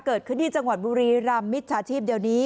เกิดขึ้นที่จังหวัดบุรีรำมิตรชาติธิพธิ์เดียวนี้